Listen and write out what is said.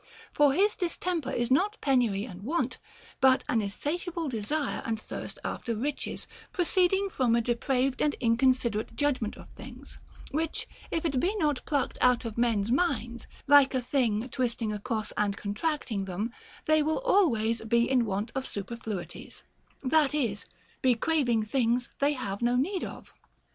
For his distemper is not penury and want, but an insatiable desire and thirst after riches, proceeding from a depraved and inconsiderate judgment of things, which if it be not plucked out of men's minds, like a thing twisting across and contracting them, they will always be in want of superfluities, that is, be craving things they have no need of.